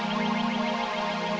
maaf saya mengganggu dokter